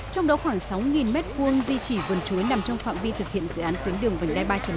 trong đó khoảng sáu m hai di chỉ vườn chuối nằm trong phạm vi thực hiện dự án tuyến đường vành đai ba năm